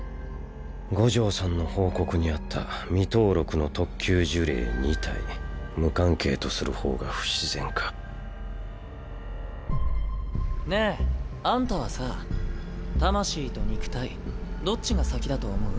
五条さんの報告にあった未登録の特級呪霊２体ねえあんたはさ魂と肉体どっちが先だと思う？